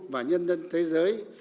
và nhân dân thế giới